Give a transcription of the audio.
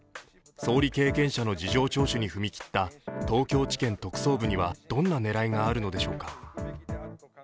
総理経験者の事情聴取に踏み切った東京地検特捜部にはどんな狙いがあるのでしょうか。